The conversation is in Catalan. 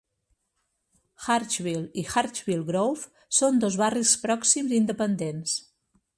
Hurstville i Hurstville Grove són dos barris pròxims independents.